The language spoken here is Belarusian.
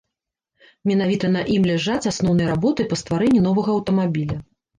Менавіта на ім ляжаць асноўныя работы па стварэнні новага аўтамабіля.